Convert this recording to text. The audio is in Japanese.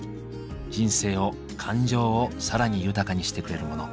人生を感情を更に豊かにしてくれるモノ。